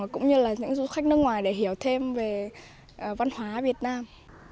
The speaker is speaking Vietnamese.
cũng như là những du khách nước ngoài để hiểu thêm về văn hóa việt nam